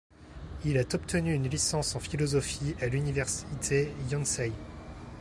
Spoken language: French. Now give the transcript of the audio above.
Il a obtenu une licence en philosophie à l'université Yonsei.